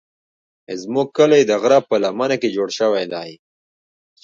زموږ کلی د غره په لمنه کې جوړ شوی دی.